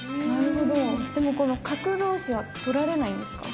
でもこの角同士は取られないんですか？